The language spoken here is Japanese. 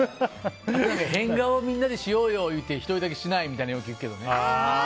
変顔をみんなでしようよ言うて１人だけしないみたいなのよく聞くけどね。